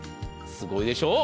すごいでしょう。